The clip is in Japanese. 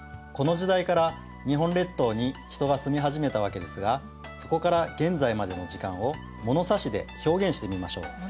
この時代から日本列島に人が住み始めたわけですがそこから現在までの時間をものさしで表現してみましょう。